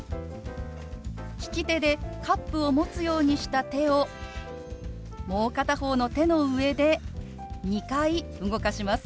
利き手でカップを持つようにした手をもう片方の手の上で２回動かします。